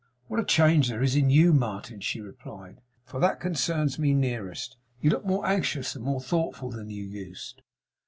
'What change is there in YOU, Martin,' she replied; 'for that concerns me nearest? You look more anxious and more thoughtful than you used.